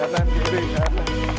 tahan tahan tahan